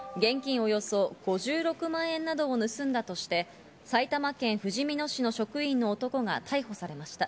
およそ５６万円などを盗んだとして、埼玉県ふじみ野市の職員の男が逮捕されました。